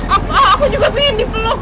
aku juga pengen diperlok